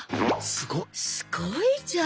すごいじゃん！